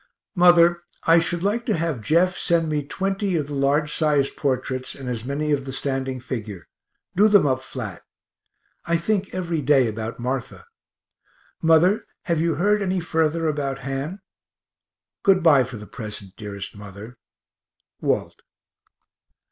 Mother, I should like to have Jeff send me 20 of the large sized portraits and as many of the standing figure; do them up flat. I think every day about Martha. Mother, have you heard any further about Han? Good bye for the present, dearest mother. WALT.